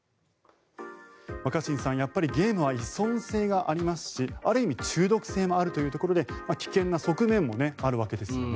若新さん、やっぱりゲームは依存性がありますしある意味中毒性もあるということで危険な側面もあるわけですよね。